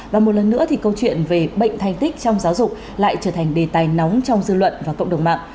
và một lần nữa thì câu chuyện về bệnh thành tích trong giáo dục lại trở thành đề tài nóng trong dư luận và cộng đồng mạng